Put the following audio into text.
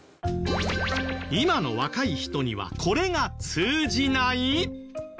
今の若い人にはこれが通じない？